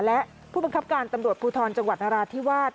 และผู้บังคับการตำรวจภูทรจังหวัดนราธิวาส